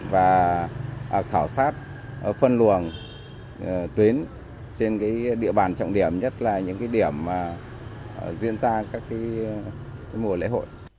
và khảo sát phân luồng tuyến trên địa bàn trọng điểm nhất là những điểm diễn ra các mùa lễ hội